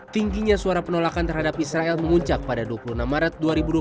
tingginya suara penolakan terhadap israel menguncak pada dua puluh enam maret dua ribu dua puluh